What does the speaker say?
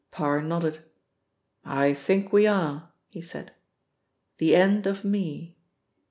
Parr nodded. "I think we are," he said. "The end of me."